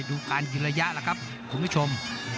ดูการยืนระยะแล้วครับคุณผู้ชม